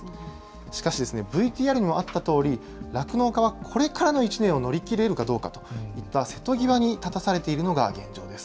しかし、ＶＴＲにもあったとおり、酪農家はこれからの１年を乗り切れるかどうかといった、瀬戸際に立たされているのが現状です。